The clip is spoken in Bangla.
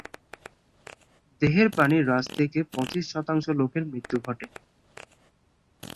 দেহের পানি হ্রাস থেকে পঁচিশ শতাংশ লোকের মৃত্যু ঘটে।